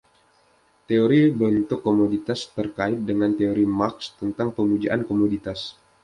Teori bentuk komoditas terkait dengan teori Marx tentang pemujaan komoditas.